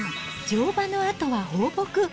乗馬のあとは放牧。